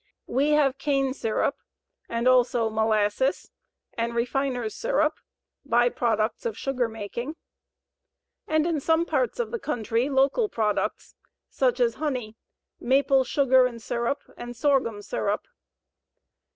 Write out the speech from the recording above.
We have cane syrup, and also molasses and refiner's syrup, by products of sugar making, and in some parts of the country, local products such as honey, maple sugar and syrup, and sorghum syrup.